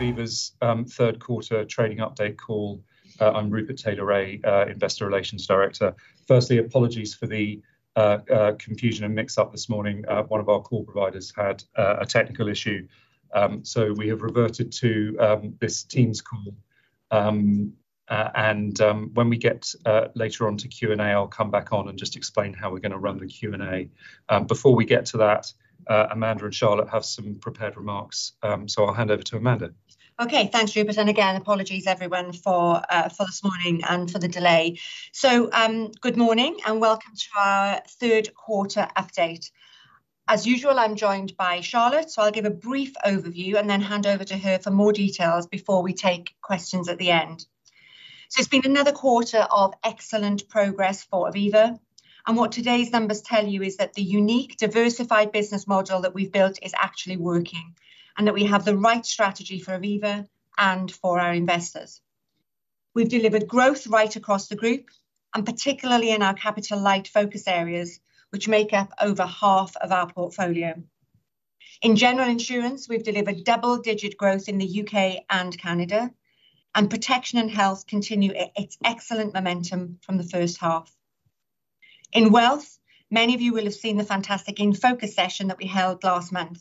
Aviva's third quarter trading update call. I'm Rupert Taylor Rea, Investor Relations Director. Firstly, apologies for the confusion and mix-up this morning. One of our call providers had a technical issue, so we have reverted to this Teams call. When we get later on to Q&A, I'll come back on and just explain how we're gonna run the Q&A. Before we get to that, Amanda and Charlotte have some prepared remarks, so I'll hand over to Amanda. Okay. Thanks, Rupert, and again, apologies everyone for this morning and for the delay. Good morning, and welcome to our third quarter update. As usual, I'm joined by Charlotte, so I'll give a brief overview and then hand over to her for more details before we take questions at the end. It's been another quarter of excellent progress for Aviva, and what today's numbers tell you is that the unique, diversified business model that we've built is actually working, and that we have the right strategy for Aviva and for our investors. We've delivered growth right across the group, and particularly in our capital-light focus areas, which make up over half of our portfolio. In general insurance, we've delivered double-digit growth in the UK and Canada, and protection and health continue its excellent momentum from the first half. In wealth, many of you will have seen the fantastic In Focus session that we held last month.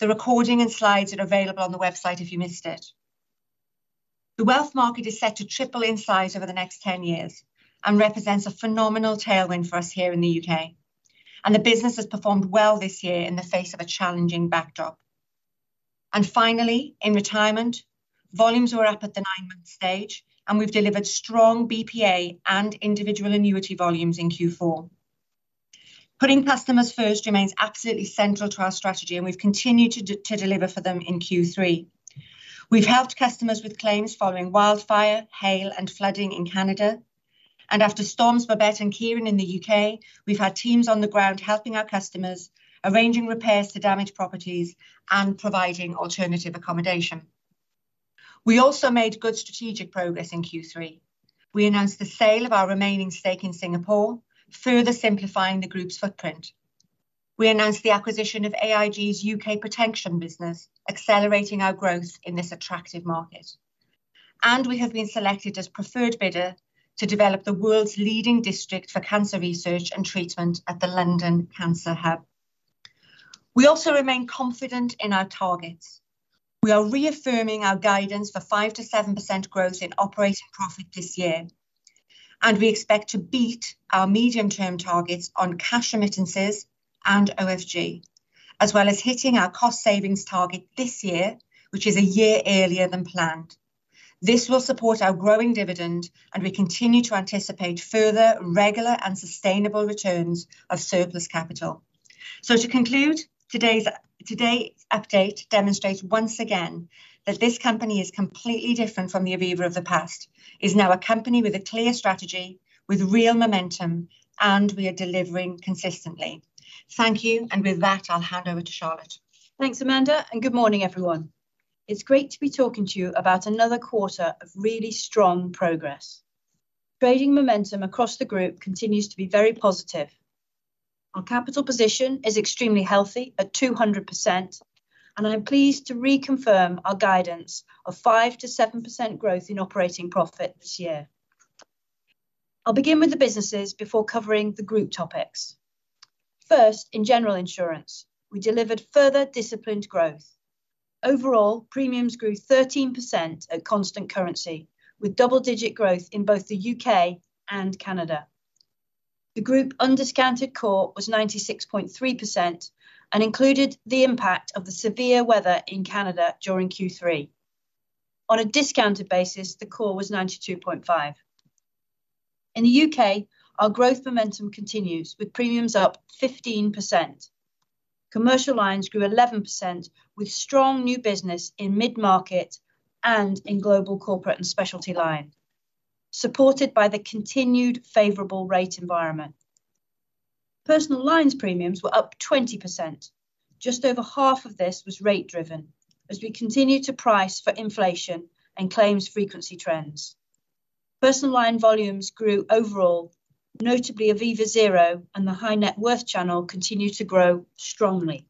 The recording and slides are available on the website if you missed it. The wealth market is set to triple in size over the next 10 years and represents a phenomenal tailwind for us here in the UK, and the business has performed well this year in the face of a challenging backdrop. And finally, in retirement, volumes were up at the nine-month stage, and we've delivered strong BPA and individual annuity volumes in Q4. Putting customers first remains absolutely central to our strategy, and we've continued to to deliver for them in Q3. We've helped customers with claims following wildfire, hail, and flooding in Canada, and after Storms Babet and Ciarán in the UK, we've had teams on the ground helping our customers, arranging repairs to damaged properties, and providing alternative accommodation. We also made good strategic progress in Q3. We announced the sale of our remaining stake in Singapore, further simplifying the group's footprint. We announced the acquisition of AIG's UK protection business, accelerating our growth in this attractive market. And we have been selected as preferred bidder to develop the world's leading district for cancer research and treatment at the London Cancer Hub. We also remain confident in our targets. We are reaffirming our guidance for 5%-7% growth in operating profit this year, and we expect to beat our medium-term targets on cash remittances and OFG, as well as hitting our cost savings target this year, which is a year earlier than planned. This will support our growing dividend, and we continue to anticipate further regular and sustainable returns of surplus capital. So to conclude, today's update demonstrates once again that this company is completely different from the Aviva of the past, is now a company with a clear strategy, with real momentum, and we are delivering consistently. Thank you, and with that, I'll hand over to Charlotte. Thanks, Amanda, and good morning, everyone. It's great to be talking to you about another quarter of really strong progress. Trading momentum across the group continues to be very positive. Our capital position is extremely healthy at 200%, and I'm pleased to reconfirm our guidance of 5%-7% growth in operating profit this year. I'll begin with the businesses before covering the group topics. First, in general insurance, we delivered further disciplined growth. Overall, premiums grew 13% at constant currency, with double-digit growth in both the U.K. and Canada. The group undiscounted COR was 96.3% and included the impact of the severe weather in Canada during Q3. On a discounted basis, the COR was 92.5%. In the U.K., our growth momentum continues, with premiums up 15%. Commercial lines grew 11%, with strong new business in mid-market and in global corporate and specialty line, supported by the continued favorable rate environment. Personal lines premiums were up 20%. Just over half of this was rate driven, as we continue to price for inflation and claims frequency trends. Personal line volumes grew overall, notably Aviva Zero and the high-net-worth channel continued to grow strongly.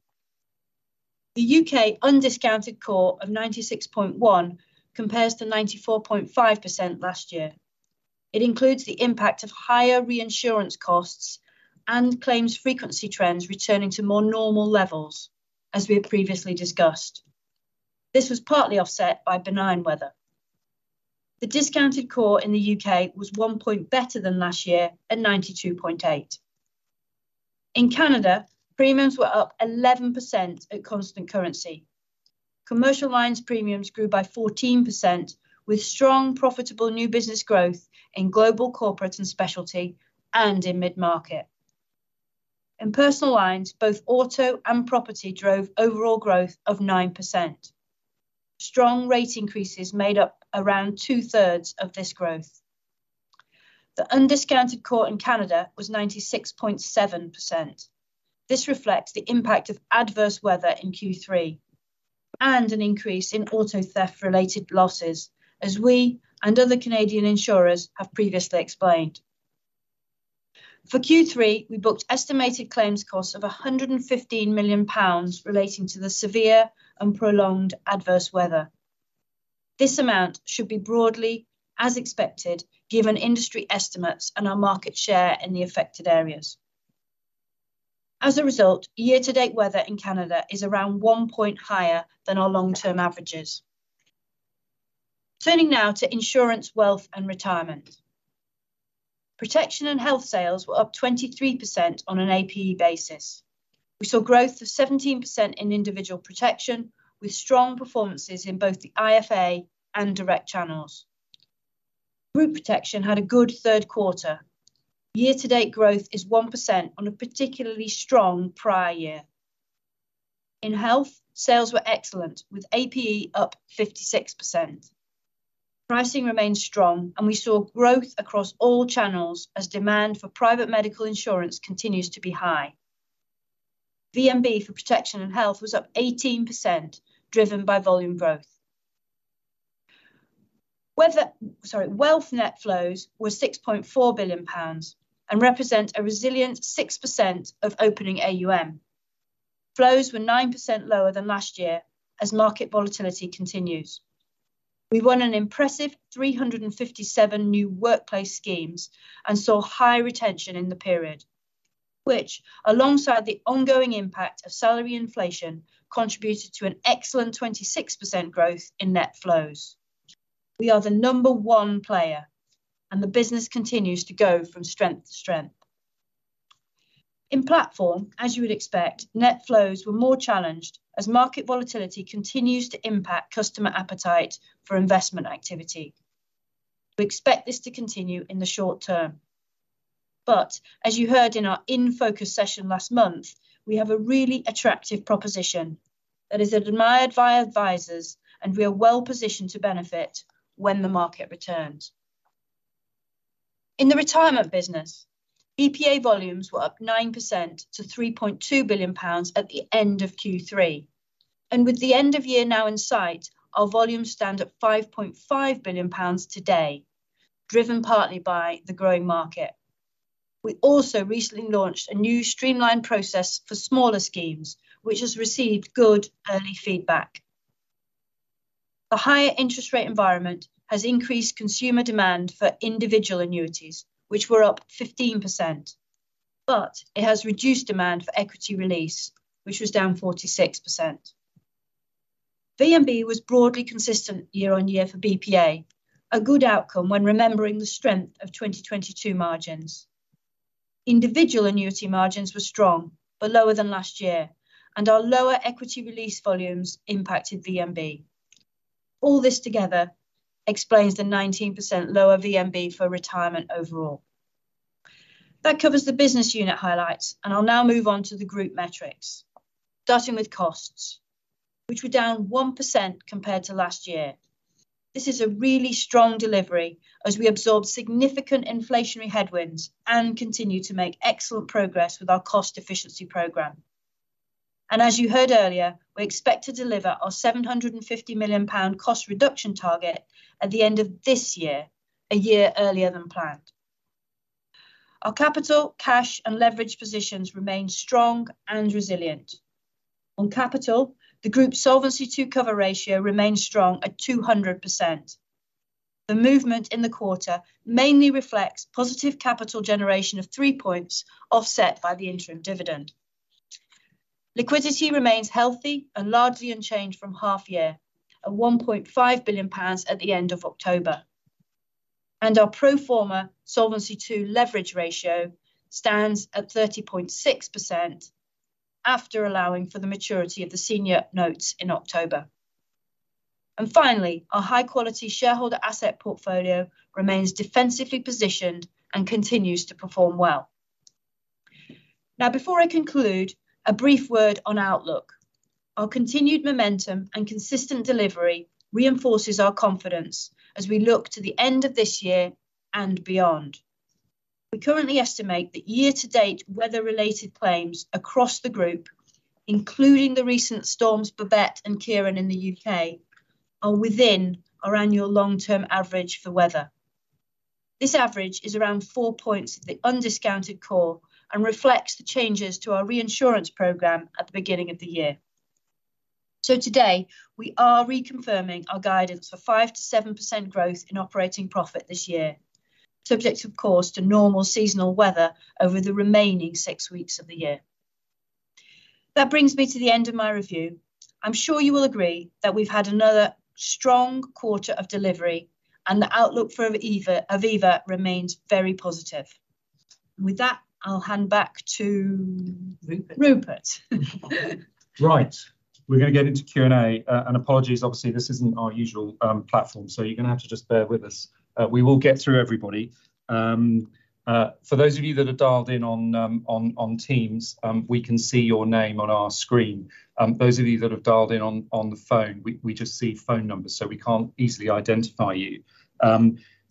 The U.K. undiscounted COR of 96.1% compares to 94.5% last year. It includes the impact of higher reinsurance costs and claims frequency trends returning to more normal levels, as we have previously discussed. This was partly offset by benign weather. The discounted COR in the U.K. was one point better than last year, at 92.8%. In Canada, premiums were up 11% at constant currency. Commercial lines premiums grew by 14%, with strong, profitable new business growth in global corporate and specialty and in mid-market. In personal lines, both auto and property drove overall growth of 9%. Strong rate increases made up around 2/3 of this growth. The undiscounted COR in Canada was 96.7%. This reflects the impact of adverse weather in Q3 and an increase in auto theft-related losses, as we and other Canadian insurers have previously explained. For Q3, we booked estimated claims costs of 115 million pounds relating to the severe and prolonged adverse weather. This amount should be broadly as expected, given industry estimates and our market share in the affected areas. As a result, year-to-date weather in Canada is around one point higher than our long-term averages. Turning now to insurance, wealth, and retirement. Protection and health sales were up 23% on an APE basis. We saw growth of 17% in individual protection, with strong performances in both the IFA and direct channels. Group protection had a good third quarter. Year-to-date growth is 1% on a particularly strong prior year. In health, sales were excellent, with APE up 56%. Pricing remains strong, and we saw growth across all channels as demand for private medical insurance continues to be high. VMB for protection and health was up 18%, driven by volume growth. Wealth net flows were 6.4 billion pounds and represent a resilient 6% of opening AUM. Flows were 9% lower than last year as market volatility continues. We won an impressive 357 new workplace schemes and saw high retention in the period, which, alongside the ongoing impact of salary inflation, contributed to an excellent 26% growth in net flows. We are the number one player, and the business continues to go from strength to strength. In platform, as you would expect, net flows were more challenged as market volatility continues to impact customer appetite for investment activity. We expect this to continue in the short term. But as you heard in our in-focus session last month, we have a really attractive proposition that is admired by advisors, and we are well positioned to benefit when the market returns. In the retirement business, BPA volumes were up 9% to 3.2 billion pounds at the end of Q3, and with the end of year now in sight, our volumes stand at 5.5 billion pounds today, driven partly by the growing market. We also recently launched a new streamlined process for smaller schemes, which has received good early feedback. The higher interest rate environment has increased consumer demand for individual annuities, which were up 15%, but it has reduced demand for Equity Release, which was down 46%. VMB was broadly consistent year-on-year for BPA, a good outcome when remembering the strength of 2022 margins. Individual annuity margins were strong but lower than last year, and our lower Equity Release volumes impacted VMB. All this together explains the 19% lower VMB for retirement overall. That covers the business unit highlights, and I'll now move on to the group metrics, starting with costs, which were down 1% compared to last year. This is a really strong delivery as we absorb significant inflationary headwinds and continue to make excellent progress with our cost efficiency program. As you heard earlier, we expect to deliver our 750 million pound cost reduction target at the end of this year, a year earlier than planned. Our capital, cash, and leverage positions remain strong and resilient. On capital, the group's Solvency II cover ratio remains strong at 200%. The movement in the quarter mainly reflects positive capital generation of three points, offset by the interim dividend. Liquidity remains healthy and largely unchanged from half year, at 1.5 billion pounds at the end of October, and our pro forma Solvency II leverage ratio stands at 30.6% after allowing for the maturity of the senior notes in October. And finally, our high-quality shareholder asset portfolio remains defensively positioned and continues to perform well. Now, before I conclude, a brief word on outlook. Our continued momentum and consistent delivery reinforces our confidence as we look to the end of this year and beyond. We currently estimate that year-to-date weather-related claims across the group, including the recent storms, Babet and Ciarán in the U.K., are within our annual long-term average for weather. This average is around four points of the undiscounted COR and reflects the changes to our reinsurance program at the beginning of the year. So today, we are reconfirming our guidance for 5%-7% growth in operating profit this year, subject of course, to normal seasonal weather over the remaining six weeks of the year. That brings me to the end of my review. I'm sure you will agree that we've had another strong quarter of delivery, and the outlook for Aviva, Aviva remains very positive. With that, I'll hand back to Rupert. Rupert. Right. We're gonna get into Q&A. Apologies, obviously, this isn't our usual platform, so you're gonna have to just bear with us. We will get through everybody. For those of you that are dialed in on Teams, we can see your name on our screen. Those of you that have dialed in on the phone, we just see phone numbers, so we can't easily identify you.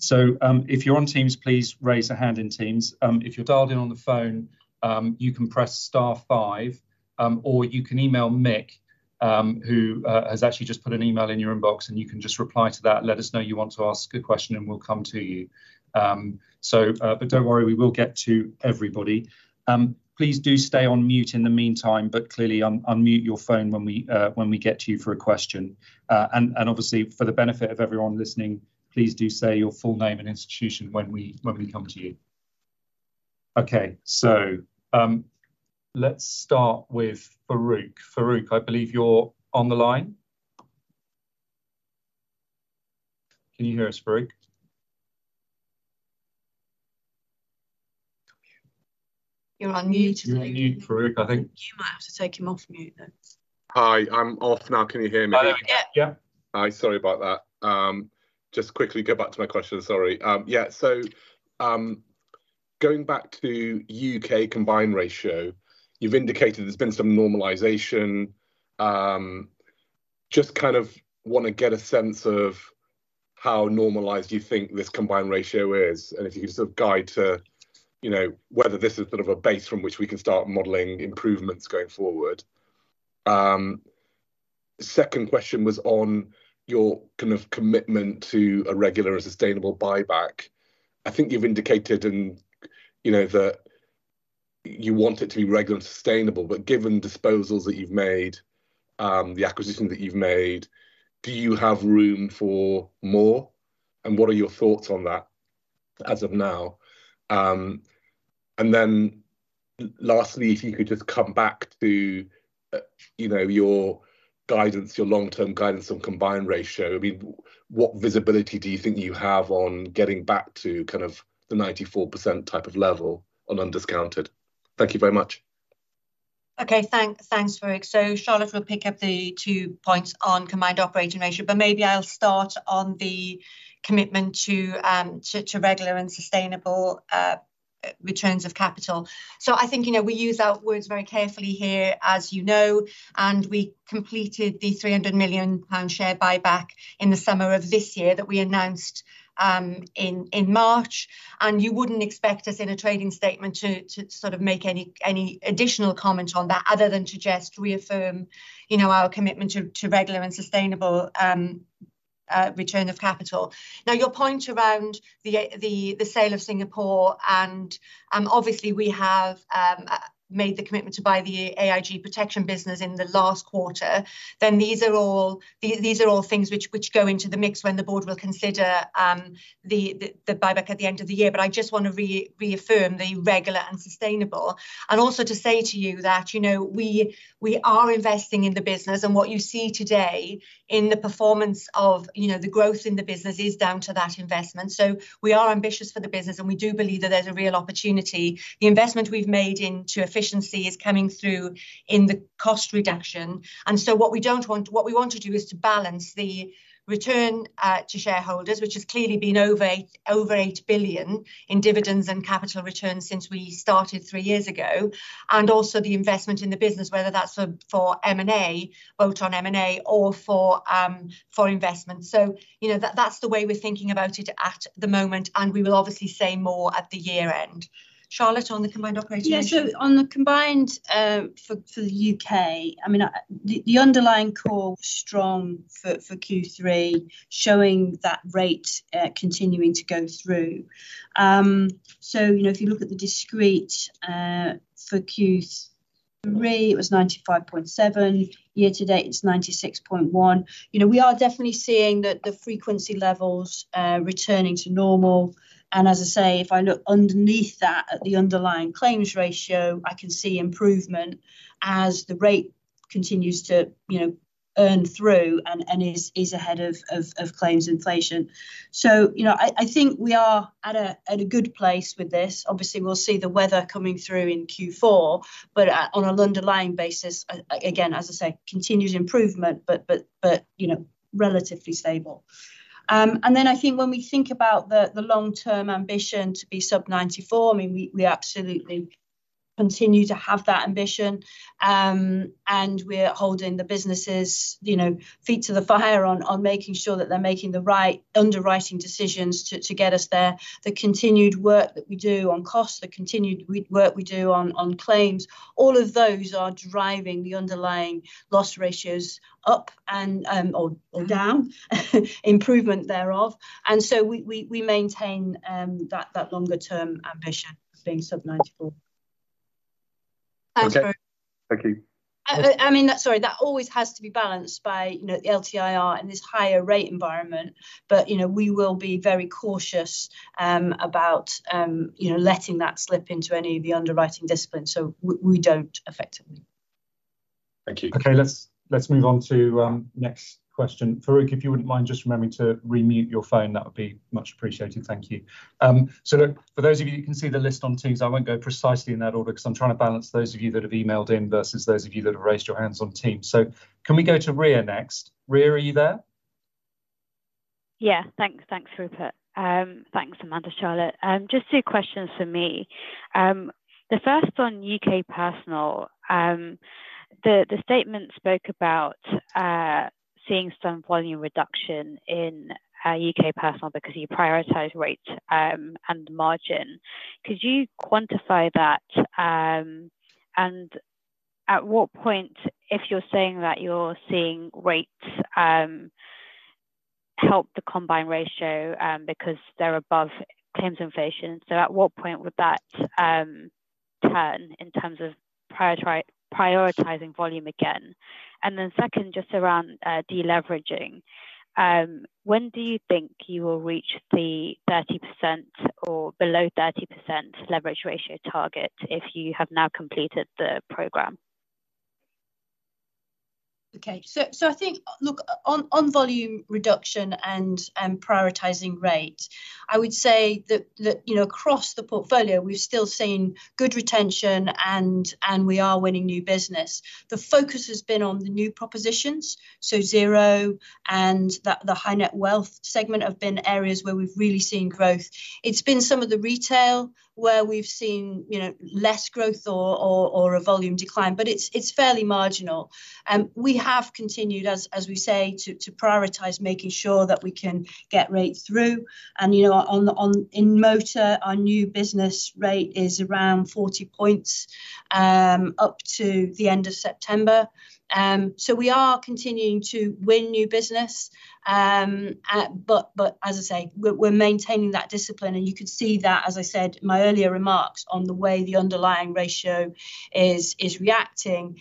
So, if you're on Teams, please raise a hand in Teams. If you're dialed in on the phone, you can press star five, or you can email Mick, who has actually just put an email in your inbox, and you can just reply to that, and let us know you want to ask a question, and we'll come to you. But don't worry, we will get to everybody. Please do stay on mute in the meantime, but clearly unmute your phone when we get to you for a question. And obviously, for the benefit of everyone listening, please do say your full name and institution when we come to you. Okay, so let's start with Farooq. Farooq, I believe you're on the line. Can you hear us, Farooq? You're on mute. You're on mute, Farooq, I think. You might have to take him off mute then. Hi, I'm off now. Can you hear me? Yeah. Yeah. Hi, sorry about that. Just quickly get back to my question. Sorry. Yeah, so, going back to UK combined ratio, you've indicated there's been some normalization. Just kind of want to get a sense of how normalized you think this combined ratio is, and if you can sort of guide to, you know, whether this is sort of a base from which we can start modeling improvements going forward. Second question was on your kind of commitment to a regular sustainable buyback. I think you've indicated and, you know, that you want it to be regular sustainable, but given disposals that you've made, the acquisitions that you've made, do you have room for more? And what are your thoughts on that as of now? Then lastly, if you could just come back to, you know, your guidance, your long-term guidance on combined ratio. I mean, what visibility do you think you have on getting back to kind of the 94% type of level on undiscounted? Thank you very much. Okay, thanks. Thanks, Farooq. So Charlotte will pick up the two points on combined operating ratio, but maybe I'll start on the commitment to to regular and sustainable returns of capital. So I think, you know, we use our words very carefully here, as you know, and we completed the 300 million pound share buyback in the summer of this year that we announced in March. And you wouldn't expect us, in a trading statement, to sort of make any additional comment on that, other than to just reaffirm, you know, our commitment to regular and sustainable return of capital. Now, your point around the the sale of Singapore and obviously we have made the commitment to buy the AIG protection business in the last quarter, then these are all, These are all things which go into the mix when the board will consider the buyback at the end of the year. But I just want to reaffirm the regular and sustainable, and also to say to you that, you know, we are investing in the business, and what you see today in the performance of, you know, the growth in the business is down to that investment. So we are ambitious for the business, and we do believe that there's a real opportunity. The investment we've made into efficiency is coming through in the cost reduction. What we don't want, what we want to do is to balance the return to shareholders, which has clearly been over 8 billion in dividends and capital returns since we started three years ago, and also the investment in the business, whether that's for M&A, both on M&A or for investment. So, you know, that's the way we're thinking about it at the moment, and we will obviously say more at the year end. Charlotte, on the combined operating ratio. Yeah, so on the combined for the UK, I mean, the underlying call was strong for Q3, showing that rate continuing to go through. So, you know, if you look at the discrete for Q3, it was 95.7. Year to date, it's 96.1. You know, we are definitely seeing the frequency levels returning to normal, and as I say, if I look underneath that at the underlying claims ratio, I can see improvement as the rate continues to, you know, earn through and is ahead of claims inflation. So, you know, I think we are at a good place with this. Obviously, we'll see the weather coming through in Q4, but on an underlying basis, again, as I say, continued improvement, but you know, relatively stable. And then I think when we think about the long-term ambition to be sub 94, I mean, we absolutely continue to have that ambition. And we're holding the businesses, you know, feet to the fire on making sure that they're making the right underwriting decisions to get us there. The continued work that we do on cost, the continued work we do on claims, all of those are driving the underlying loss ratios down, improvement thereof. And so we maintain that longer term ambition of being sub 94. Okay. Thank you. I mean, that, sorry, that always has to be balanced by, you know, the LTIR and this higher rate environment, but, you know, we will be very cautious about, you know, letting that slip into any of the underwriting discipline, so we don't effectively. Thank you. Okay, let's, let's move on to next question. Farooq, if you wouldn't mind just remembering to re-mute your phone, that would be much appreciated. Thank you. So look, for those of you who can see the list on Teams, I won't go precisely in that order because I'm trying to balance those of you that have emailed in, versus those of you that have raised your hands on Teams. So can we go to Rhea next? Rhea, are you there? Yeah. Thanks. Thanks, Rupert. Thanks, Amanda, Charlotte. Just two questions for me. The first on UK personal, the statement spoke about seeing some volume reduction in UK personal because you prioritize rates and margin. Could you quantify that? And at what point, if you're saying that you're seeing rates help the combined ratio because they're above claims inflation. So at what point would that turn in terms of prioritizing volume again? And then second, just around deleveraging. When do you think you will reach the 30% or below 30% leverage ratio target if you have now completed the program? Okay. So I think, look, on volume reduction and prioritizing rate, I would say that, you know, across the portfolio, we've still seen good retention and we are winning new business. The focus has been on the new propositions, so Zero and the high net wealth segment have been areas where we've really seen growth. It's been some of the retail where we've seen, you know, less growth or a volume decline, but it's fairly marginal. We have continued, as we say, to prioritize, making sure that we can get rate through. And, you know, in motor, our new business rate is around 40 points up to the end of September. So we are continuing to win new business. But as I say, we're maintaining that discipline, and you could see that, as I said, in my earlier remarks on the way the underlying ratio is reacting,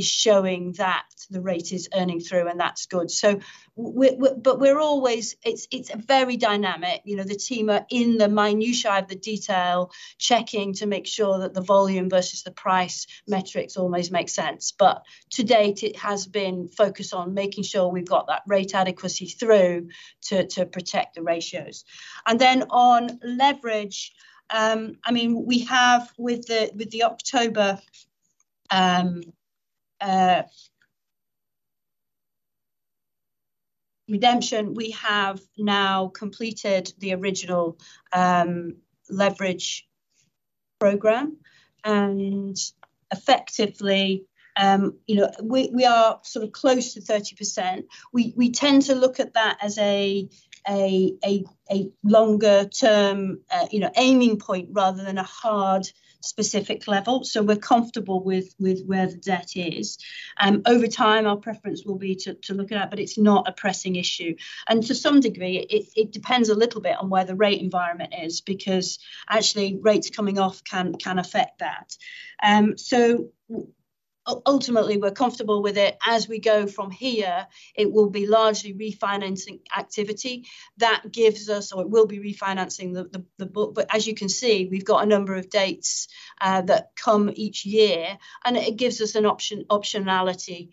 showing that the rate is earning through, and that's good. So but we're always, It's very dynamic. You know, the team are in the minutiae of the detail, checking to make sure that the volume versus the price metrics always make sense. But to date, it has been focused on making sure we've got that rate adequacy through to protect the ratios. And then on leverage, I mean, we have with the October redemption, we have now completed the original leverage program, and effectively, you know, we are sort of close to 30%. We tend to look at that as a longer term, you know, aiming point rather than a hard, specific level. So we're comfortable with where the debt is. Over time, our preference will be to look at it, but it's not a pressing issue, and to some degree, it depends a little bit on where the rate environment is, because actually rates coming off can affect that. So ultimately, we're comfortable with it. As we go from here, it will be largely refinancing activity that gives us or it will be refinancing the book. But as you can see, we've got a number of dates that come each year, and it gives us an option, optionality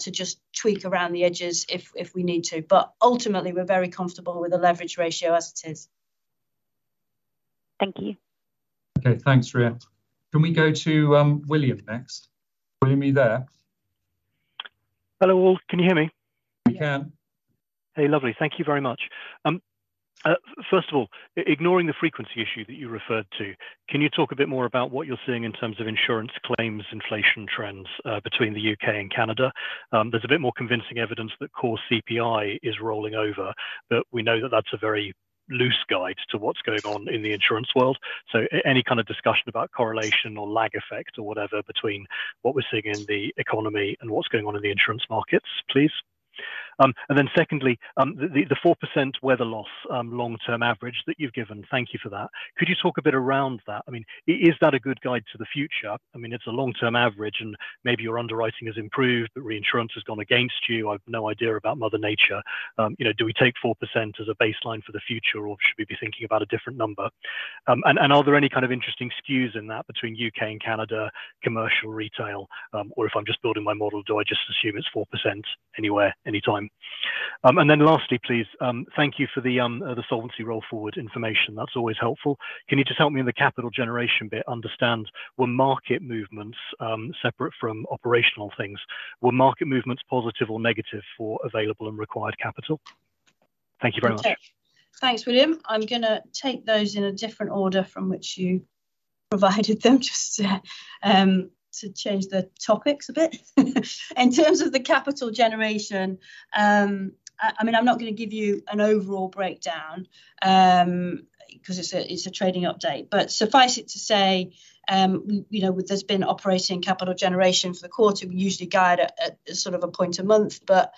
to just tweak around the edges if we need to. But ultimately, we're very comfortable with the leverage ratio as it is. Thank you. Okay. Thanks, Rhea. Can we go to William next? William, are you there? Hello, all. Can you hear me? We can. Hey, lovely. Thank you very much. First of all, ignoring the frequency issue that you referred to, can you talk a bit more about what you're seeing in terms of insurance claims, inflation trends, between the UK and Canada? There's a bit more convincing evidence that core CPI is rolling over, but we know that that's a very loose guide to what's going on in the insurance world. So any kind of discussion about correlation or lag effect or whatever, between what we're seeing in the economy and what's going on in the insurance markets, please. And then secondly, the 4% weather loss, long-term average that you've given, thank you for that. Could you talk a bit around that? I mean, is that a good guide to the future? I mean, it's a long-term average, and maybe your underwriting has improved, but reinsurance has gone against you. I've no idea about Mother Nature. You know, do we take 4% as a baseline for the future, or should we be thinking about a different number? And are there any kind of interesting skews in that between UK and Canada, commercial, retail, or if I'm just building my model, do I just assume it's 4% anywhere, anytime? And then lastly, please, thank you for the solvency roll forward information. That's always helpful. Can you just help me in the capital generation bit understand, were market movements separate from operational things? Were market movements positive or negative for available and required capital? Thank you very much. Okay. Thanks, William. I'm gonna take those in a different order from which you provided them, just to change the topics a bit. In terms of the capital generation, I mean, I'm not gonna give you an overall breakdown, because it's a trading update, but suffice it to say, you know, there's been operating capital generation for the quarter. We usually guide at sort of a point a month, but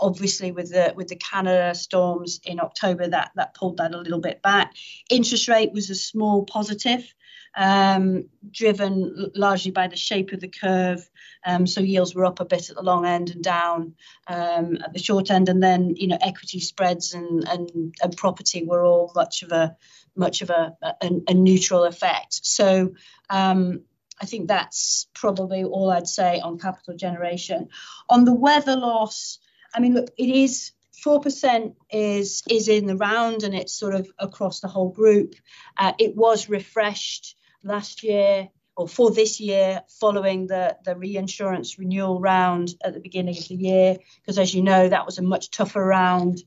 obviously with the Canada storms in October, that pulled that a little bit back. Interest rate was a small positive, driven largely by the shape of the curve, so yields were up a bit at the long end and down at the short end, and then, you know, equity spreads and property were all much of a muchness neutral effect. So, I think that's probably all I'd say on capital generation. On the weather loss, I mean, look, it is 4% in the round, and it's sort of across the whole group. It was refreshed last year or for this year, following the reinsurance renewal round at the beginning of the year. Because as you know, that was a much tougher round.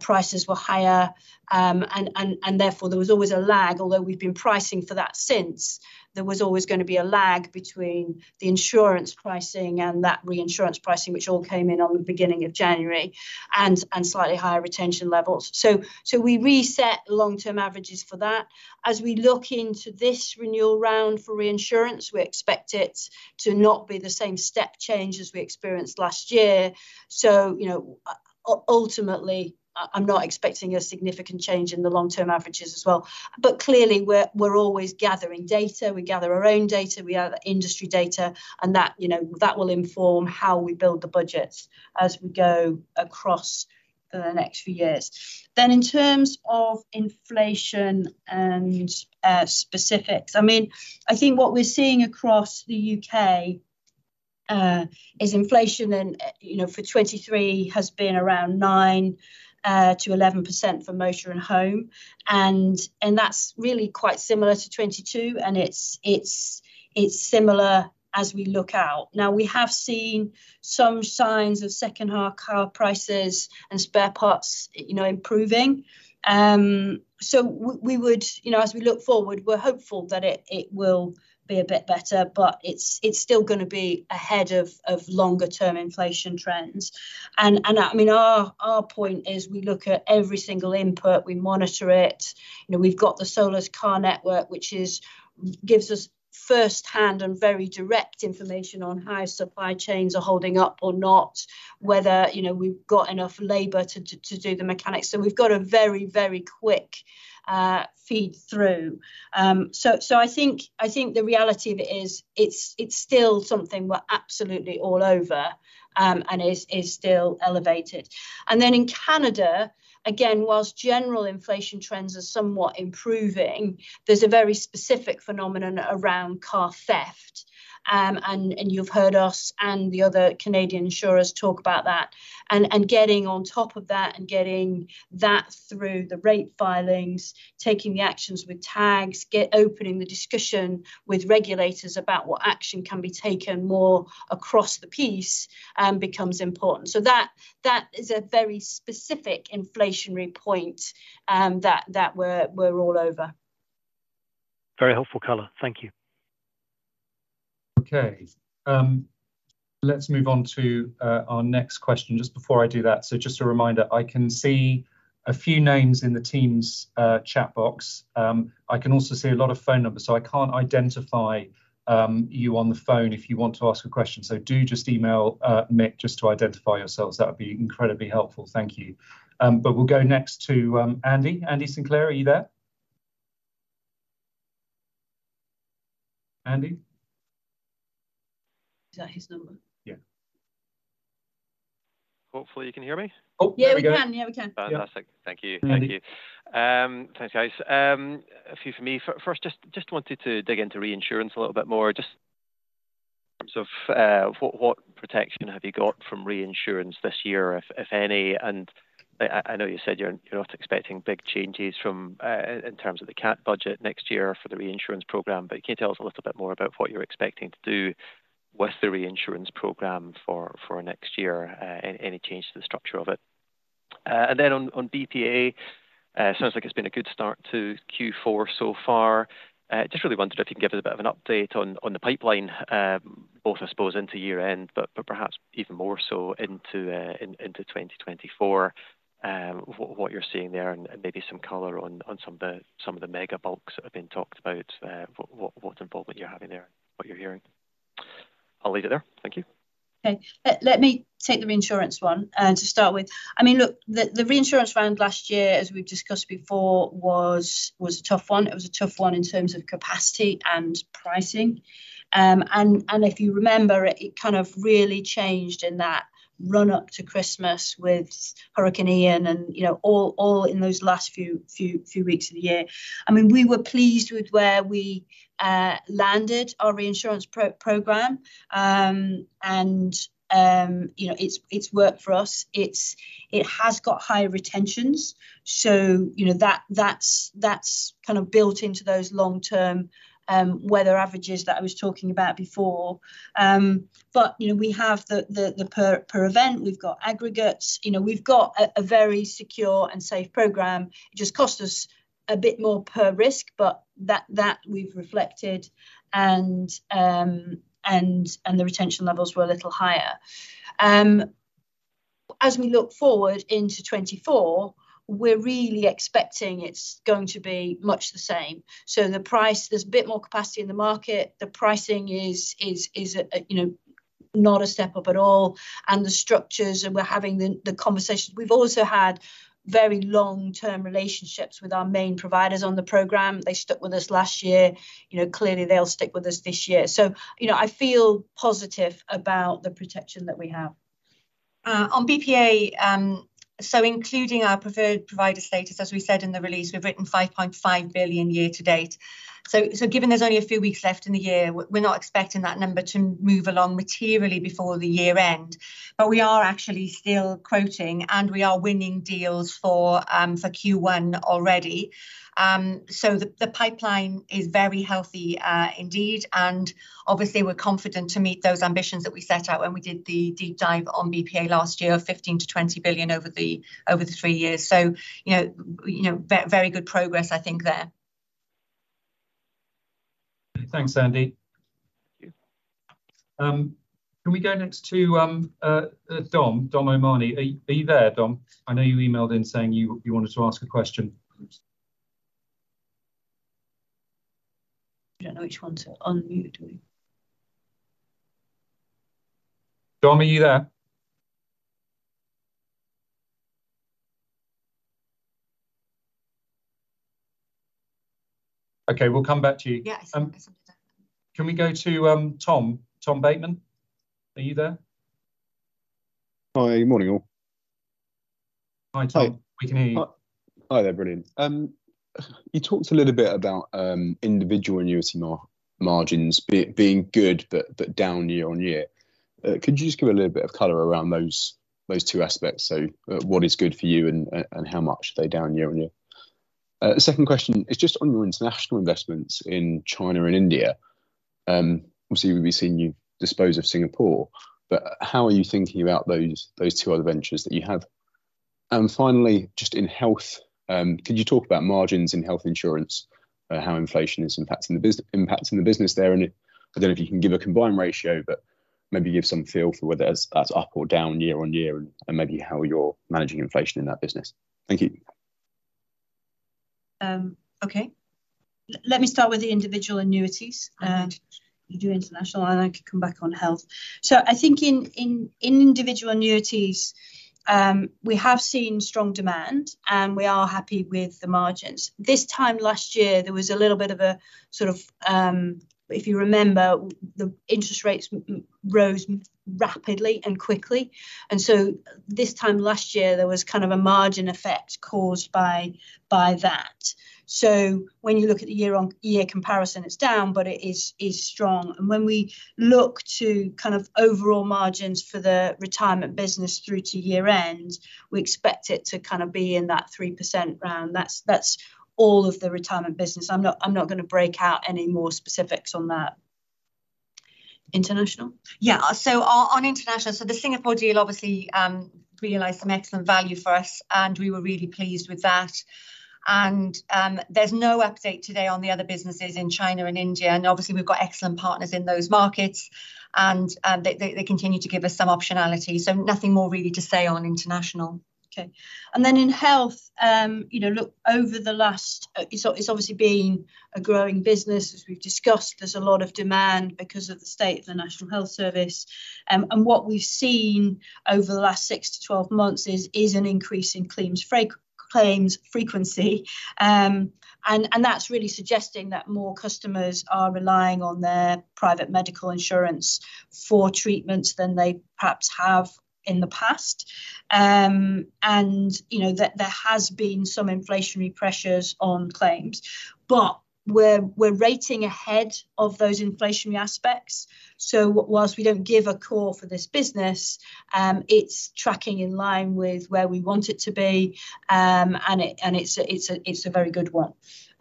Prices were higher, and therefore, there was always a lag. Although we've been pricing for that since, there was always gonna be a lag between the insurance pricing and that reinsurance pricing, which all came in on the beginning of January, and slightly higher retention levels. So we reset long-term averages for that. As we look into this renewal round for reinsurance, we expect it to not be the same step change as we experienced last year. So, you know, ultimately, I'm not expecting a significant change in the long-term averages as well. But clearly, we're always gathering data. We gather our own data, we have industry data, and that, you know, that will inform how we build the budgets as we go across for the next few years. Then, in terms of inflation and specifics, I mean, I think what we're seeing across the U.K. is inflation and, you know, for 2023 has been around 9%-11% for motor and home, and that's really quite similar to 2022, and it's similar as we look out. Now, we have seen some signs of second half car prices and spare parts, you know, improving. So we would, You know, as we look forward, we're hopeful that it will be a bit better, but it's still gonna be ahead of longer term inflation trends. And, I mean, our point is we look at every single input. We monitor it. You know, we've got the Solus car network, which gives us firsthand and very direct information on how supply chains are holding up or not, whether, you know, we've got enough labor to do the mechanics. So we've got a very, very quick feed through. So I think the reality of it is, it's still something we're absolutely all over, and is still elevated. And then in Canada, again, while general inflation trends are somewhat improving, there's a very specific phenomenon around car theft. And you've heard us and the other Canadian insurers talk about that. And getting on top of that and getting that through the rate filings, taking the actions with tags, getting opening the discussion with regulators about what action can be taken more across the piece, becomes important. That is a very specific inflationary point that we're all over. Very helpful color. Thank you. Okay, let's move on to our next question. Just before I do that, so just a reminder, I can see a few names in the team's chat box. I can also see a lot of phone numbers, so I can't identify you on the phone if you want to ask a question. So do just email Mick just to identify yourselves. That would be incredibly helpful. Thank you. But we'll go next to Andy. Andy Sinclair, are you there? Andy? Is that his number? Yeah. Hopefully, you can hear me. Oh, there we go. Yeah, we can. Yeah, we can. Fantastic. Thank you. Mm-hmm. Thank you. Thanks, guys. A few for me. First, just wanted to dig into reinsurance a little bit more, just in terms of what protection have you got from reinsurance this year, if any? And I know you said you're not expecting big changes from in terms of the cat budget next year for the reinsurance program, but can you tell us a little bit more about what you're expecting to do with the reinsurance program for next year, any change to the structure of it? And then on BPA, sounds like it's been a good start to Q4 so far. Just really wondered if you can give us a bit of an update on the pipeline, both, I suppose, into year-end, but perhaps even more so into 2024. What you're seeing there and maybe some color on some of the mega bulks that have been talked about, what involvement you're having there, what you're hearing. I'll leave it there. Thank you. Okay. Let me take the reinsurance one to start with. I mean, look, the reinsurance round last year, as we've discussed before, was a tough one. It was a tough one in terms of capacity and pricing. And if you remember, it kind of really changed in that run up to Christmas with Hurricane Ian and, you know, all in those last few weeks of the year. I mean, we were pleased with where we landed our reinsurance pro-program. And you know, it's worked for us. It has got higher retentions, so you know, that's kind of built into those long-term weather averages that I was talking about before. But you know, we have the per event, we've got aggregates. You know, we've got a very secure and safe program. It just cost us a bit more per risk, but that we've reflected. And the retention levels were a little higher. As we look forward into 2024, we're really expecting it's going to be much the same. So the price, there's a bit more capacity in the market. The pricing is, you know, not a step up at all, and the structures, and we're having the conversation. We've also had very long-term relationships with our main providers on the program. They stuck with us last year. You know, clearly, they'll stick with us this year. So, you know, I feel positive about the protection that we have. On BPA, so including our preferred provider status, as we said in the release, we've written 5.5 billion year to date. So, given there's only a few weeks left in the year, we're not expecting that number to move along materially before the year end. But we are actually still quoting, and we are winning deals for Q1 already. So the pipeline is very healthy, indeed, and obviously we're confident to meet those ambitions that we set out when we did the deep dive on BPA last year, of 15 billion-20 billion over the three years. So, you know, very good progress, I think, there. Thanks, Andy. Thank you. Can we go next to Dom O'Mahony? Are you there, Dom? I know you emailed in saying you wanted to ask a question. I don't know which one to unmute, do we? Dom, are you there? Okay, we'll come back to you. Yeah, I think something happened. Can we go to Tom, Tom Bateman? Are you there? Hi, good morning, all. Hi, Tom. We can hear you. Hi there, brilliant. You talked a little bit about individual annuity margins being good, but down year-over-year. Could you just give a little bit of color around those two aspects? So what is good for you, and how much are they down year-over-year? The second question is just on your international investments in China and India. Obviously, we've seen you dispose of Singapore, but how are you thinking about those two other ventures that you have? And finally, just in health, could you talk about margins in health insurance, how inflation is impacting the business there? I don't know if you can give a combined ratio, but maybe give some feel for whether that's, that's up or down year-over-year, and, and maybe how you're managing inflation in that business. Thank you. Okay. Let me start with the individual annuities, and you do international, and I can come back on health. I think in individual annuities, we have seen strong demand, and we are happy with the margins. This time last year, there was a little bit of a sort of, If you remember, the interest rates rose rapidly and quickly, and so this time last year, there was kind of a margin effect caused by that. When you look at the year-on-year comparison, it's down, but it is strong. When we look to kind of overall margins for the retirement business through to year end, we expect it to kind of be in that 3% round. That's all of the retirement business. I'm not going to break out any more specifics on that. International? Yeah. So on international, so the Singapore deal obviously realized some excellent value for us, and we were really pleased with that. And there's no update today on the other businesses in China and India, and obviously, we've got excellent partners in those markets, and they continue to give us some optionality. So nothing more really to say on international. Okay. And then in health, you know, look, over the last, it's obviously been a growing business, as we've discussed. There's a lot of demand because of the state of the National Health Service. And what we've seen over the last six to 12 months is an increase in claims frequency. And that's really suggesting that more customers are relying on their private medical insurance for treatments than they perhaps have in the past. And, you know, there has been some inflationary pressures on claims, but we're rating ahead of those inflationary aspects. So whilst we don't give a call for this business, it's tracking in line with where we want it to be. And it's a very good one.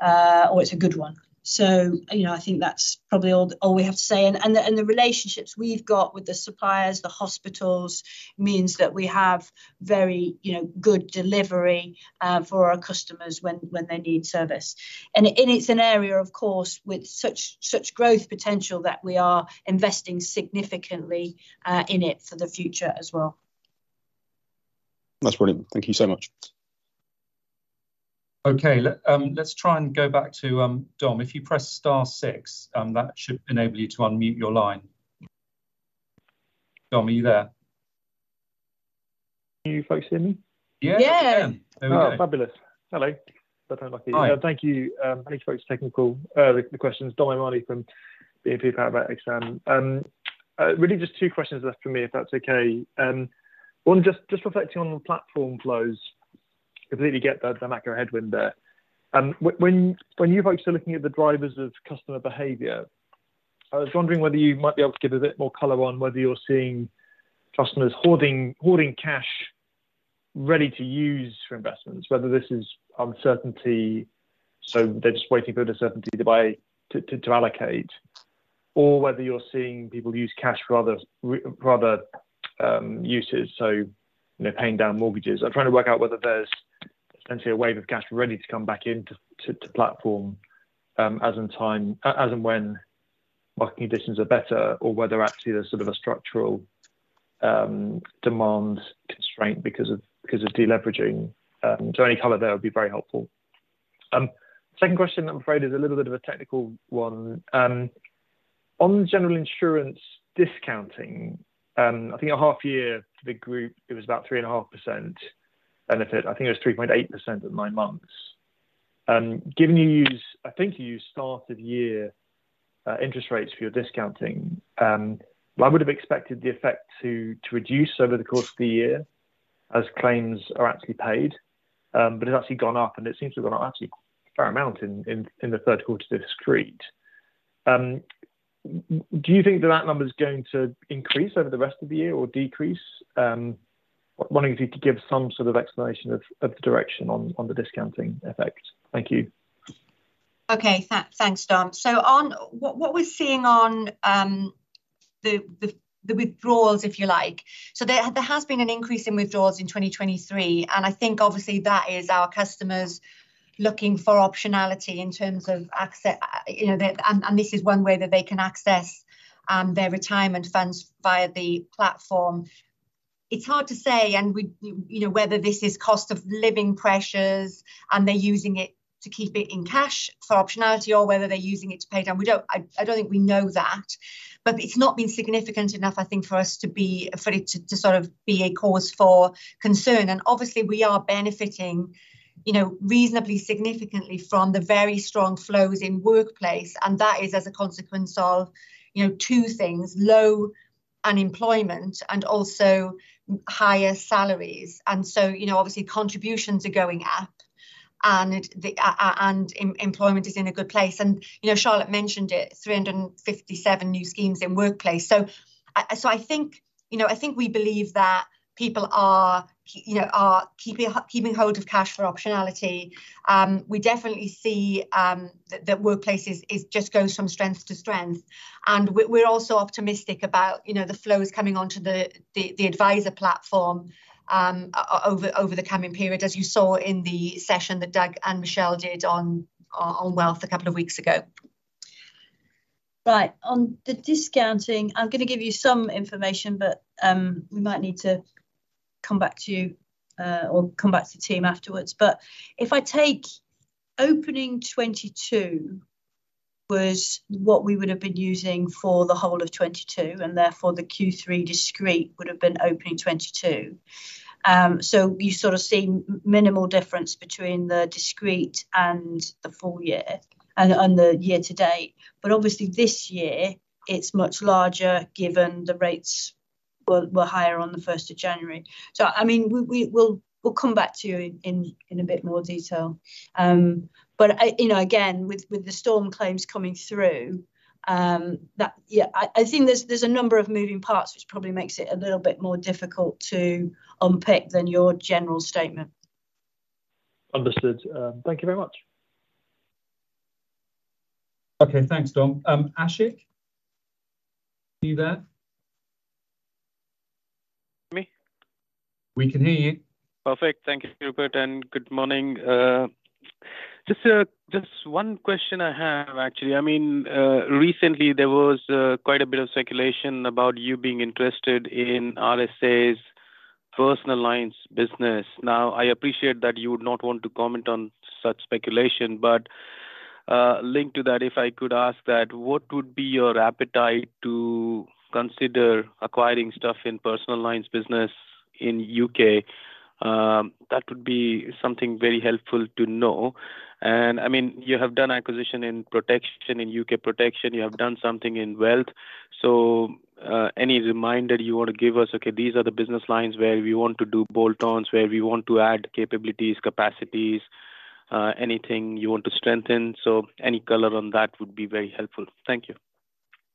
Or it's a good one. So, you know, I think that's probably all we have to say. And the relationships we've got with the suppliers, the hospitals, means that we have very, you know, good delivery for our customers when they need service. And it's an area, of course, with such growth potential that we are investing significantly in it for the future as well. That's brilliant. Thank you so much. Okay, let's try and go back to Dom. If you press star six, that should enable you to unmute your line. Dom, are you there? Can you folks hear me? Yeah, we can. Yeah. There we go. Oh, fabulous. Hello. Better luck. Hi. Thank you. Thank you folks for taking the call, the questions. Dom O'Malley from BNP Paribas Exane. Really just two questions left for me, if that's okay. One, just reflecting on the platform flows, completely get the macro headwind there. When you folks are looking at the drivers of customer behavior, I was wondering whether you might be able to give a bit more color on whether you're seeing customers hoarding cash ready to use for investments, whether this is uncertainty, so they're just waiting for the uncertainty to buy, to allocate, or whether you're seeing people use cash for other uses, so you know, paying down mortgages. I'm trying to work out whether there's essentially a wave of cash ready to come back into platform, as in time, as and when market conditions are better, or whether actually there's sort of a structural demand constraint because of deleveraging. So any color there would be very helpful. Second question, I'm afraid, is a little bit of a technical one. On general insurance discounting, I think a half year for the group, it was about 3.5% benefit. I think it was 3.8% at nine months, given you use, I think you use start of year interest rates for your discounting, well, I would have expected the effect to reduce over the course of the year as claims are actually paid. But it's actually gone up, and it seems to have gone up actually a fair amount in the third quarter discrete. Do you think that that number is going to increase over the rest of the year or decrease? Wanting you to give some sort of explanation of the direction on the discounting effect. Thank you. Okay. Thanks, Dom. So what we're seeing on the withdrawals, if you like, so there has been an increase in withdrawals in 2023, and I think obviously that is our customers looking for optionality in terms of access, you know. And this is one way that they can access their retirement funds via the platform. It's hard to say, and we, you know, whether this is cost of living pressures, and they're using it to keep it in cash for optionality or whether they're using it to pay down. We don't. I don't think we know that. But it's not been significant enough, I think, for us to be, For it to sort of be a cause for concern, and obviously, we are benefiting, you know, reasonably significantly from the very strong flows in workplace, and that is as a consequence of, you know, two things, low unemployment and also higher salaries. And so, you know, obviously, contributions are going up, and it, the, and employment is in a good place. And, you know, Charlotte mentioned it, 357 new schemes in workplace. So, so I think, you know, I think we believe that people are, you know, are keeping hold of cash for optionality. We definitely see that workplace is just goes from strength to strength, and we're also optimistic about, you know, the flows coming onto the adviser platform over the coming period, as you saw in the session that Doug and Michele did on wealth a couple of weeks ago. Right. On the discounting, I'm gonna give you some information, but, we might need to come back to you, or come back to the team afterwards. But if I take opening 2022 was what we would have been using for the whole of 2022, and therefore, the Q3 discrete would have been opening 2022. So you sort of seen minimal difference between the discrete and the full-year, and the year to date. But obviously, this year, it's much larger, given the rates were higher on the first of January. So, I mean, we'll come back to you in a bit more detail. But I, you know, again, with the storm claims coming through, that... Yeah, I think there's a number of moving parts, which probably makes it a little bit more difficult to unpick than your general statement. Understood. Thank you very much. Okay, thanks, Dom. Ashik, are you there? Me? We can hear you. Perfect. Thank you, Rupert, and good morning. Just one question I have, actually. I mean, recently, there was quite a bit of speculation about you being interested in RSA's personal lines business. Now, I appreciate that you would not want to comment on such speculation, but linked to that, if I could ask that, what would be your appetite to consider acquiring stuff in personal lines business in UK? That would be something very helpful to know, and, I mean, you have done acquisition in protection, in UK protection, you have done something in wealth. So, any reminder you want to give us, "Okay, these are the business lines where we want to do bolt-ons, where we want to add capabilities, capacities," anything you want to strengthen? So any color on that would be very helpful. Thank you.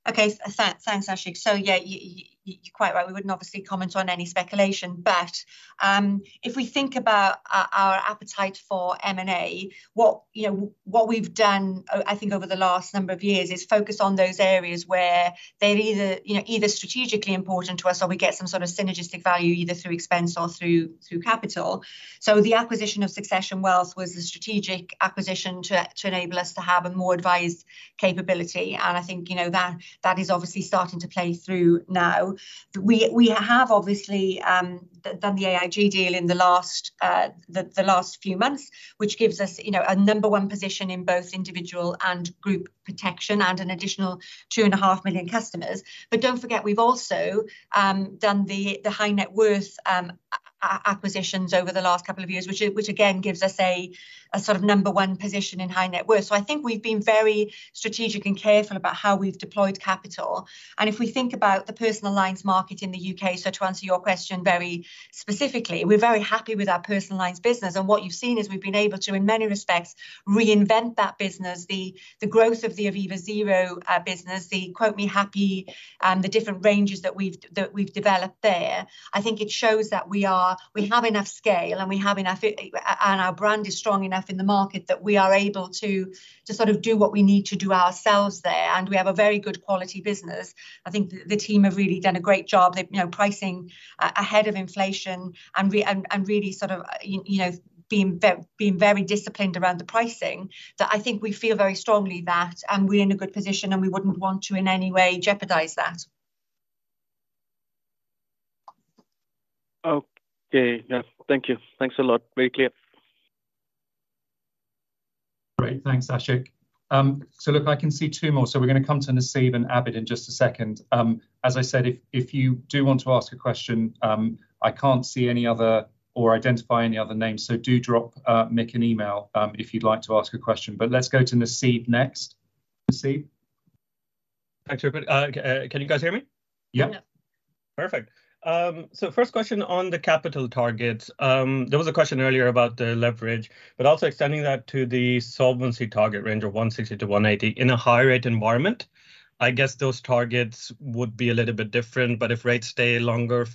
Okay. Thanks, Ashik. So, yeah, you're quite right, we wouldn't obviously comment on any speculation, but if we think about our appetite for M&A, what, you know, what we've done, I think over the last number of years is focus on those areas where they're either, you know, either strategically important to us or we get some sort of synergistic value, either through expense or through capital. So the acquisition of Succession Wealth was a strategic acquisition to enable us to have a more advised capability, and I think, you know, that is obviously starting to play through now. We have obviously done the AIG deal in the last few months, which gives us, you know, a number one position in both individual and group protection, and an additional 2.5 million customers. But don't forget, we've also done the high net worth acquisitions over the last couple of years, which again gives us a sort of number one position in high net worth. So I think we've been very strategic and careful about how we've deployed capital, and if we think about the personal lines market in the UK, so to answer your question very specifically, we're very happy with our personal lines business. What you've seen is we've been able to, in many respects, reinvent that business, the growth of the Aviva Zero business, the Quote Me Happy, the different ranges that we've developed there. I think it shows that we have enough scale, and we have enough and our brand is strong enough in the market, that we are able to sort of do what we need to do ourselves there, and we have a very good quality business. I think the team have really done a great job. They, you know, pricing ahead of inflation, and really sort of, you know, being very disciplined around the pricing, that I think we feel very strongly that we're in a good position, and we wouldn't want to, in any way, jeopardize that. Okay. Yeah. Thank you. Thanks a lot. Very clear. Great. Thanks, Ashik. So look, I can see two more. So we're gonna come to Nasib and Abid in just a second. As I said, if, if you do want to ask a question, I can't see any other or identify any other names, so do drop Mick an email, if you'd like to ask a question, but let's go to Nasib next. Nasib? Thanks, Rupert. Can you guys hear me? Yep. Yeah. Perfect. So first question on the capital targets. There was a question earlier about the leverage, but also extending that to the solvency target range of 160-180. In a high rate environment, I guess those targets would be a little bit different, but if rates stay higher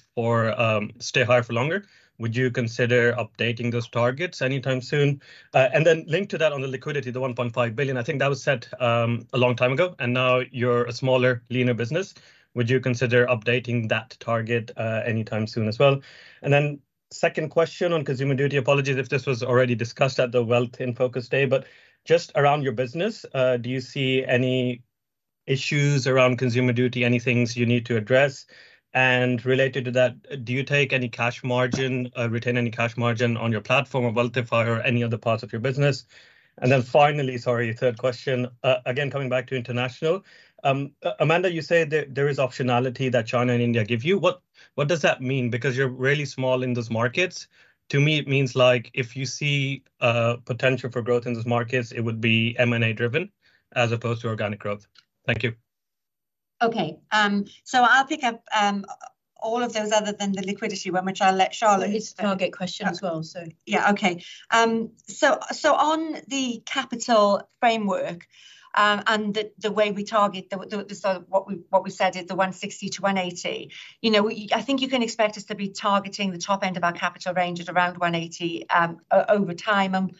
for longer, would you consider updating those targets anytime soon? And then linked to that, on the liquidity, the 1.5 billion, I think that was set a long time ago, and now you're a smaller, leaner business. Would you consider updating that target anytime soon as well? Then second question on Consumer Duty, apologies if this was already discussed at the Wealth in Focus day, but just around your business, do you see any issues around Consumer Duty, any things you need to address? And related to that, do you take any cash margin, retain any cash margin on your platform or Wealthify or any other parts of your business? And then finally, sorry, third question, again, coming back to international, Amanda, you say there, there is optionality that China and India give you. What, what does that mean? Because you're really small in those markets. To me, it means, like, if you see, potential for growth in those markets, it would be M&A driven, as opposed to organic growth. Thank you. Okay, so I'll pick up all of those other than the liquidity one, which I'll let Charlotte- It's a target question as well, so, Yeah. Okay. So on the capital framework, and the way we target, so what we said is the 160-180, you know, I think you can expect us to be targeting the top end of our capital range at around 180, over time, and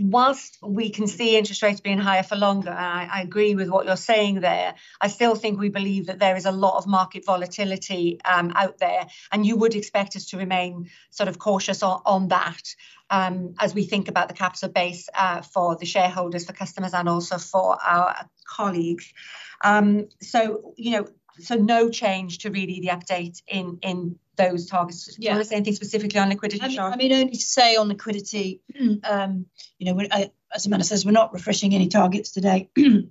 while we can see interest rates being higher for longer, I agree with what you're saying there, I still think we believe that there is a lot of market volatility out there, and you would expect us to remain sort of cautious on that, as we think about the capital base, for the shareholders, for customers, and also for our colleagues. So, you know, so no change to really the update in those targets. Yeah. Do you want to say anything specifically on liquidity, Char? I mean, only to say on liquidity, you know, when I, as Amanda says, we're not refreshing any targets today. We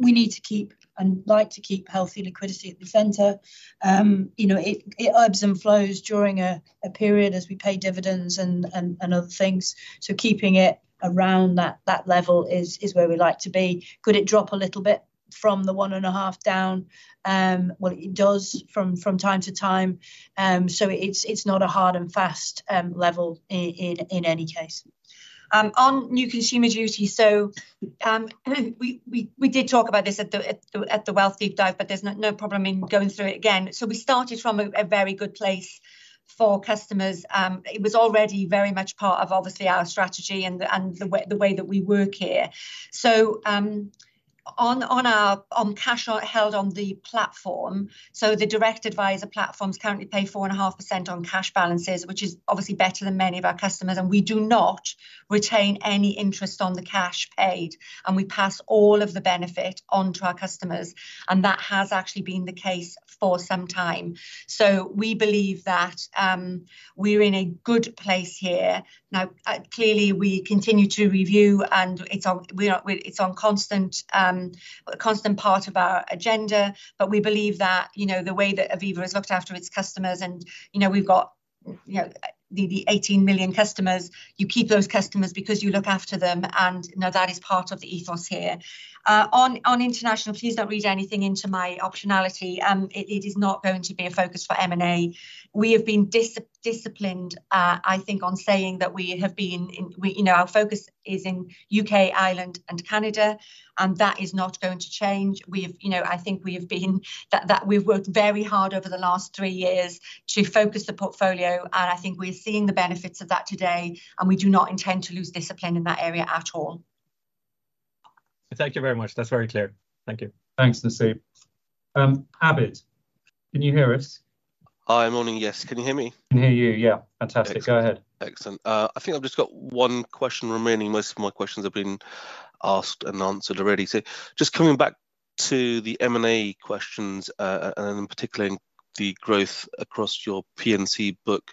need to keep, and like to keep, healthy liquidity at the center. You know, it ebbs and flows during a period as we pay dividends and other things, so keeping it around that level is where we like to be. Could it drop a little bit from the 1.5 down? Well, it does from time to time, so it's not a hard and fast level in any case. On new Consumer Duty, so we did talk about this at the Wealth deep dive, but there's no problem in going through it again. So we started from a very good place for customers. It was already very much part of, obviously, our strategy and the way that we work here. So on our, on cash held on the platform, so the direct adviser platforms currently pay 4.5% on cash balances, which is obviously better than many of our customers, and we do not retain any interest on the cash paid, and we pass all of the benefit on to our customers, and that has actually been the case for some time. So we believe that we're in a good place here. Now clearly, we continue to review, and it's on, It's on a constant part of our agenda, but we believe that, you know, the way that Aviva has looked after its customers and, you know, we've got, you know, the 18 million customers, you keep those customers because you look after them, and, you know, that is part of the ethos here. On international, please don't read anything into my optionality. It is not going to be a focus for M&A. We have been disciplined, I think, on saying that we have been in, we, you know, our focus is in UK, Ireland, and Canada, and that is not going to change. We have, you know, I think we have been, That we've worked very hard over the last three years to focus the portfolio, and I think we're seeing the benefits of that today, and we do not intend to lose discipline in that area at all. Thank you very much. That's very clear. Thank you. Thanks, Nasib. Abid, can you hear us? Hi, morning, yes. Can you hear me? Can hear you, yeah. Fantastic. Go ahead. Excellent. I think I've just got one question remaining. Most of my questions have been asked and answered already. So just coming back to the M&A questions, and in particular, the growth across your P&C book,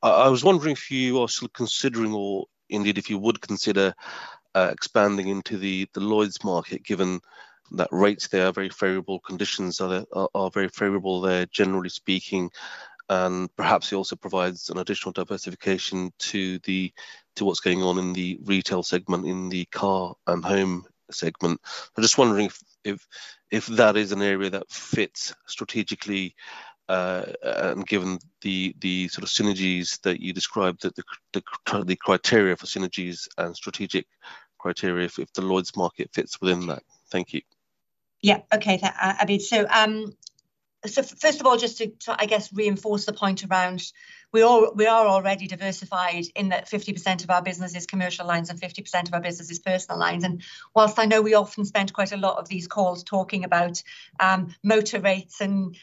I was wondering if you are still considering, or indeed, if you would consider, expanding into the Lloyd's market, given that rates there are very favorable, conditions are very favorable there, generally speaking, and perhaps it also provides an additional diversification to what's going on in the retail segment, in the car and home segment. I'm just wondering if that is an area that fits strategically, and given the sort of synergies that you described, the criteria for synergies and strategic criteria, if the Lloyd's market fits within that. Thank you. Yeah. Okay, Abid. So, first of all, just to, I guess, reinforce the point around, we are already diversified in that 50% of our business is commercial lines and 50% of our business is personal lines, and whilst I know we often spend quite a lot of these calls talking about motor rates and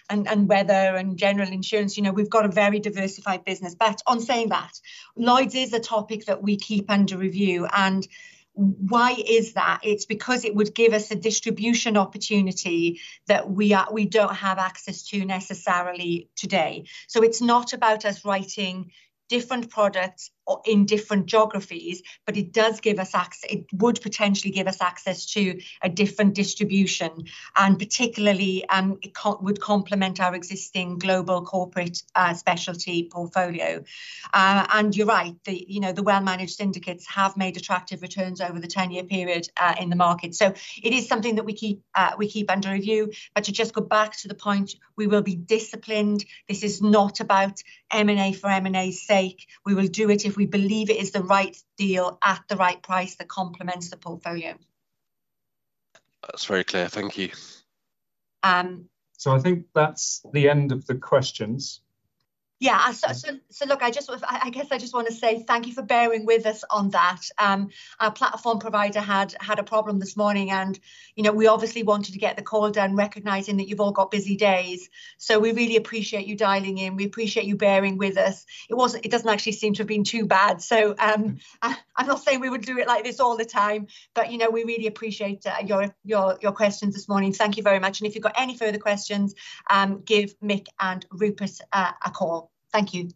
weather and general insurance, you know, we've got a very diversified business. But on saying that, Lloyd's is a topic that we keep under review, and why is that? It's because it would give us a distribution opportunity that we don't have access to necessarily today. So it's not about us writing different products or in different geographies, but it does give us access, it would potentially give us access to a different distribution, and particularly, it would complement our existing global corporate, specialty portfolio. And you're right, the, you know, the well-managed syndicates have made attractive returns over the 10-year period, in the market. So it is something that we keep, we keep under review, but to just go back to the point, we will be disciplined. This is not about M&A for M&A's sake. We will do it if we believe it is the right deal at the right price that complements the portfolio. That's very clear. Thank you. So I think that's the end of the questions. Yeah, so look, I guess I just wanna say thank you for bearing with us on that. Our platform provider had a problem this morning, and, you know, we obviously wanted to get the call done, recognizing that you've all got busy days. So we really appreciate you dialing in. We appreciate you bearing with us. It wasn't, it doesn't actually seem to have been too bad, so, I'm not saying we would do it like this all the time, but, you know, we really appreciate your questions this morning. Thank you very much, and if you've got any further questions, give Mick and Rupert a call. Thank you.